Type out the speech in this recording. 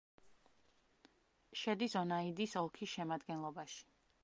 შედის ონაიდის ოლქის შემადგენლობაში.